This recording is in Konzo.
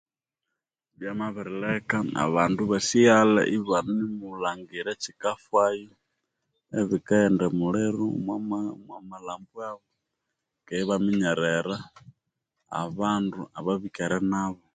Lya mabirileka abandu iba sighalha ibanimulhangira ekyikafayu ebikaghenda emuliru omwa omwa malhambwabo keghi ibaminyerera abandu ababikere nabu